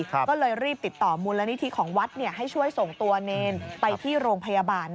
ก็เลยรีบติดต่อมูลนิธิของวัดให้ช่วยส่งตัวเนรไปที่โรงพยาบาล